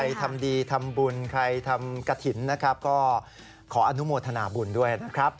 ทำดีทำบุญใครทำกระถิ่นนะครับก็ขออนุโมทนาบุญด้วยนะครับ